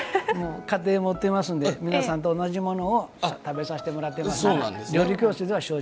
家庭持ってますので皆さんと同じものを食べさせてもらってます。